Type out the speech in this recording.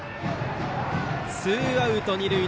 ツーアウト、二塁。